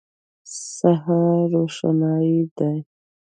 سهار روښنايي دی.